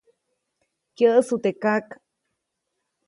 Kyäʼsu teʼ kak.